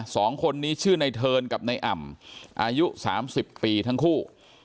สองคนนี้ชื่อในเทิร์นกับนายอ่ำอายุสามสิบปีทั้งคู่